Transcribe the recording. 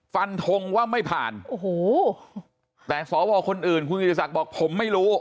ฟันทงว่าไม่ผ่านโอ้โฮแต่สคุณกริจศักดิ์บอกผมไม่รู้